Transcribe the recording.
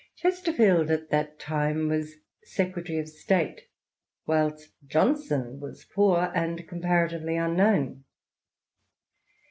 Chesterfield at that xviii INTRODUCTION. time was Secretary of State, whilst Johnson was poor, and comparatively unknown.